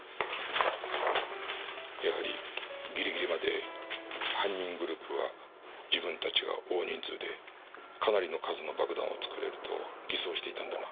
やはりギリギリまで犯人グループは自分たちが大人数でかなりの数の爆弾を作れると偽装していたんだな。